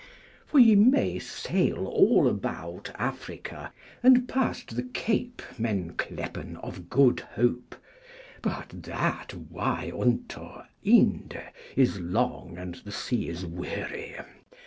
For ye may sail all about Africa, and past the Cape men clepen of Good Hope, but that way unto Ynde is long and the sea is weary.